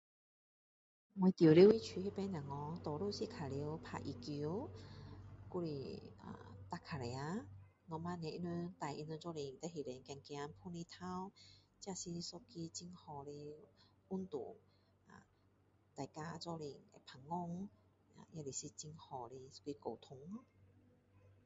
我住的是那边小孩多数是打羽球，还是骑脚车，旁晚他们带他们一起去外面走走晒日头，那是一个很好的运动，大家一起谈话，也是很好的沟通